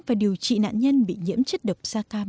và điều trị nạn nhân bị nhiễm chất độc da cam